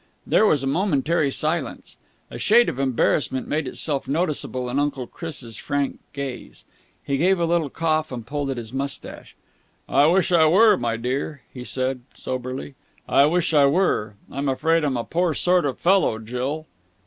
There was a momentary silence. A shade of embarrassment made itself noticeable in Uncle Chris' frank gaze. He gave a little cough, and pulled at his moustache. "I wish I were, my dear," he said soberly. "I wish I were. I'm afraid I'm a poor sort of a fellow, Jill."